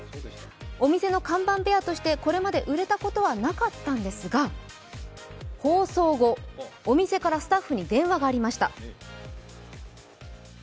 お店の看板ベアとしてこれまで売れたことはなかったんですが放送後、お店からスタッフに電話がありました。